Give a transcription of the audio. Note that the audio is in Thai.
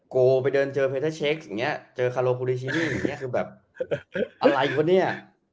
โกลไปเดินเจอเพเตอร์เชคเจอคาโรพูลิชินี่อะไรกันเนี่ย